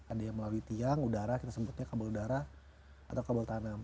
ada yang melalui tiang udara kita sebutnya kabel udara atau kabel tanam